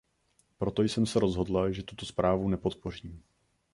Proto jsem se rozhodla, že tuto zprávu nepodpořím.